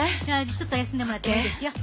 ちょっと休んでもらってもいいですよ。